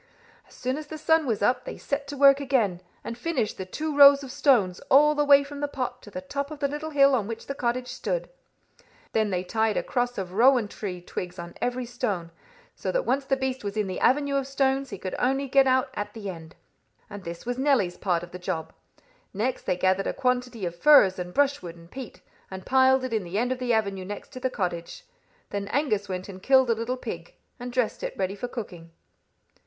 As soon as the sun was up, they set to work again, and finished the two rows of stones all the way from the pot to the top of the little hill on which the cottage stood. Then they tied a cross of rowan tree twigs on every stone, so that once the beast was in the avenue of stones he could only get out at the end. And this was Nelly's part of the job. Next they gathered a quantity of furze and brushwood and peat, and piled it in the end of the avenue next the cottage. Then Angus went and killed a little pig, and dressed it ready for cooking.